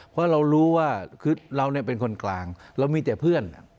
เพราะเรารู้ว่าคือเราเป็นคนกลางเรามีแต่เพื่อน